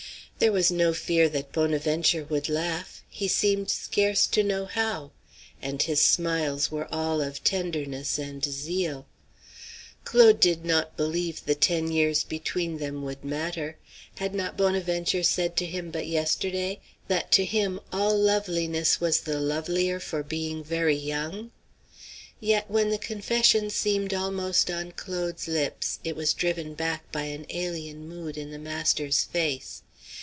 There was no fear that Bonaventure would laugh; he seemed scarce to know how; and his smiles were all of tenderness and zeal. Claude did not believe the ten years between them would matter; had not Bonaventure said to him but yesterday that to him all loveliness was the lovelier for being very young? Yet when the confession seemed almost on Claude's lips it was driven back by an alien mood in the master's face.